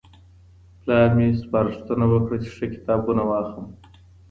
پلار مي سپارښتنه وکړه چي ښه کتابونه واخلم.